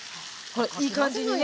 ほらいい感じにね